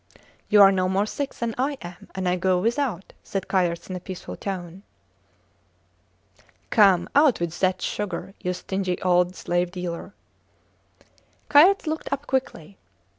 You are no more sick than I am, and I go without, said Kayerts in a peaceful tone. Come! out with that sugar, you stingy old slave dealer. Kayerts looked up quickly.